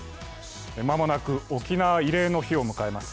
間もなく沖縄慰霊の日を迎えます。